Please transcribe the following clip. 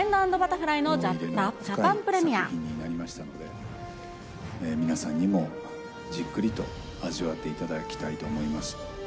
思い入れの深い作品になりましたので、皆さんにじっくりと味わっていただきたいと思います。